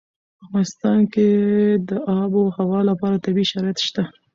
په افغانستان کې د آب وهوا لپاره طبیعي شرایط شته.